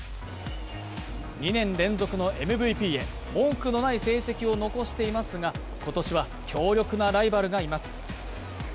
２年連続のＭＶＰへ、文句のない成績を残していますが、今年は、強力なライバルがいます。